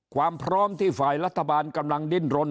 ความพร้อมที่ฝ่ายรัฐบาลกำลังดิ้นรน